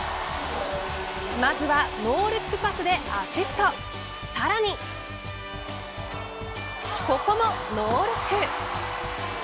まずはノールックパスでアシストさらにここもノールック。